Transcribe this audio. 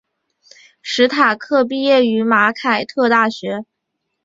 史塔克毕业于马凯特大学。